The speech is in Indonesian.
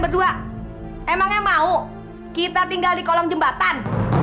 kedua emangnya mau kita tinggal di kolong jembatan